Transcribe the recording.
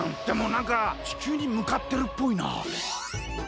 でもなんか地球にむかってるっぽいな。